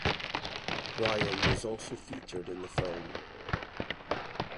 Ryan was also featured in the film.